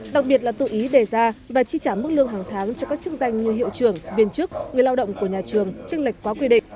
đặc biệt là tự ý đề ra và chi trả mức lương hàng tháng cho các chức danh như hiệu trưởng viên chức người lao động của nhà trường chức lệch quá quy định